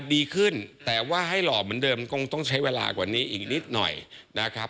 ดีขึ้นแต่ว่าให้หล่อเหมือนเดิมคงต้องใช้เวลากว่านี้อีกนิดหน่อยนะครับ